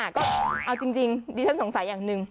ตัวจริงนี่ชั้นสงสัยอย่างหนึ่ง